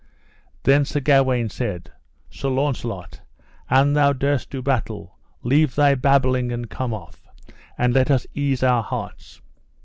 Then Sir Gawaine said: Sir Launcelot, an thou durst do battle, leave thy babbling and come off, and let us ease our hearts.